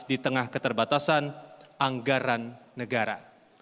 di tengah keterbatasan anggaran negara